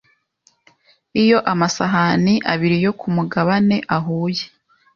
Iyo amasahani abiri yo ku mugabane ahuye